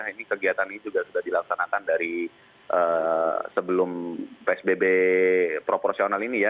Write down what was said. ini kegiatan ini juga sudah dilaksanakan dari sebelum psbb proporsional ini ya